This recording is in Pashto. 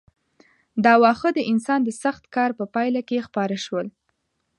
دا واښه د انسان د سخت کار په پایله کې خپاره شول.